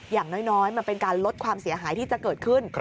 อย่างน้อยมันเป็นการลดความเสียหายที่จะเกิดขึ้น